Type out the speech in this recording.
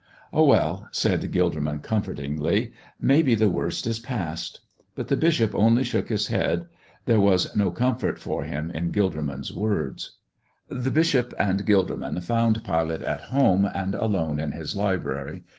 "Oh, well," said Gilderman, comfortingly, "maybe the worst is passed." But the bishop only shook his head; there was no comfort for him in Gilderman's words. The bishop and Gilderman found Pilate at home and alone in his library.